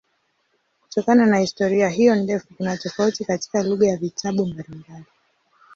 Kutokana na historia hiyo ndefu kuna tofauti katika lugha ya vitabu mbalimbali.